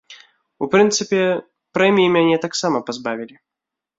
У прынцыпе, прэміі мяне таксама пазбавілі.